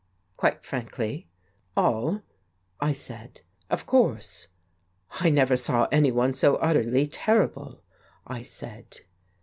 "Quite frankly? All?" I said. "Of course." "I never saw anyone so utterly terrible," I said.